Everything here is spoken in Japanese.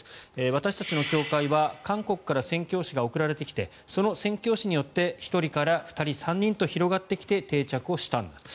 私たちの教会は韓国から宣教師が送られてきてその宣教師によって１人から２人、３人と広がってきて、定着をしたと。